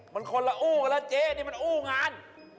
มันคนละอู้เป็นคนละเจ๊นี่มันอู้งาน